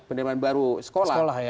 penerimaan baru sekolah